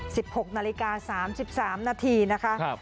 หกนาฬิกาสามสิบสามนาทีนะคะครับ